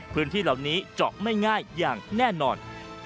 พื้นที่เหล่านี้เจาะไม่ง่ายอย่างแน่นอน